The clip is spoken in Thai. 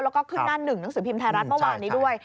แล้วก็ขึ้นหน้าหนึ่งหนังสือพิมพ์ไทยรัฐเมื่อวานนี้ด้วย